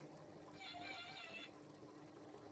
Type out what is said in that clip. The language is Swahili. Nikitazama matendo yako na nguvu zako wewe